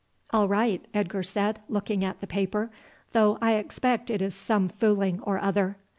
"All right," Edgar said, looking at the paper; "though I expect it is some fooling or other."